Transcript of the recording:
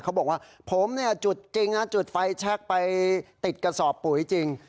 เขาบอกว่าผมเนี่ยจุดจริงนะจุดไฟแชคไปติดกระสอบปุ๋ยจริง